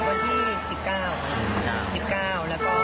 เลขวันเกิดเป็นเลขสวยที่แบบว่าไม่มาซะดีครับ